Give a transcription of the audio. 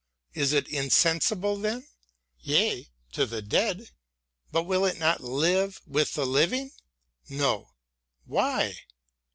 Is it insensible then ? Yea, to the dead. But will it not live with the living ? No. Why